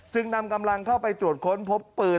นำกำลังเข้าไปตรวจค้นพบปืน